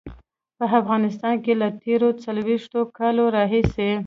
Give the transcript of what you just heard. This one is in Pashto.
په افغانستان کې له تېرو څلويښتو کالو راهيسې.